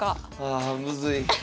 あむずい。